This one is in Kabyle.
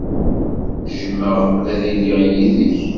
Jjmeɣ ad iliɣ yid-k.